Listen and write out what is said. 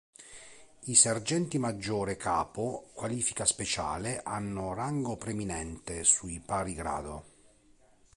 I Sergenti maggiore capo Qualifica Speciale hanno rango preminente sui pari grado.